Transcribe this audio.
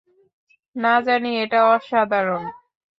না, জানি এটা অসাধারণ।